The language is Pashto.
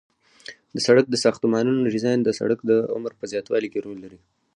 د سرک د ساختمانونو ډیزاین د سرک د عمر په زیاتوالي کې رول لري